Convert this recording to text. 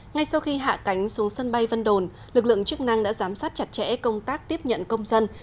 ngay sau khi hạ cánh xuống sân bay vân đồn lực lượng chức năng đã giám sát chặt chẽ công tác tiếp nhận công dân